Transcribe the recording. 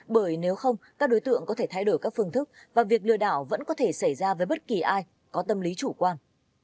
bởi nếu không các đối tượng có thể thay đổi các phương thức và việc lừa đảo vẫn có thể xảy ra với bất kỳ ai có tâm lý chủ quan